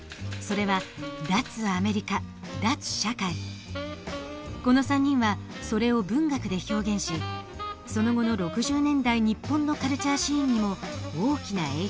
それはこの３人はそれを文学で表現しその後の６０年代ニッポンのカルチャーシーンにも大きな影響を与えた。